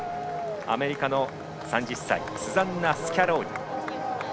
アメリカの３０歳スザンナ・スキャローニ。